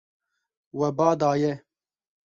We ba daye.